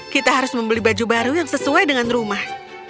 kita harus membeli baju baru yang sesuai dengan rumah